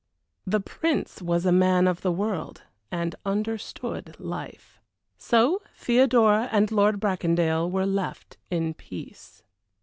The Prince was a man of the world, and understood life. So Theodora and Lord Bracondale were left in peace.